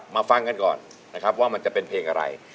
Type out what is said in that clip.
มาฟังกันก่อนว่ามันจะเป็นเพลงอะไร